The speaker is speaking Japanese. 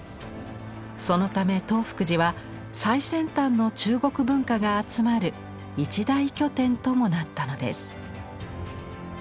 そのため東福寺は最先端の中国文化が集まる一大拠点ともなったのです。